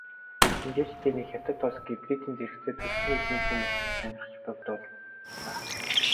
Шинжээчдийн нэг "Хятад улс гибридийн зэрэгцээ түлшний элементийн машин ч сонирхож буй"-г дурдлаа.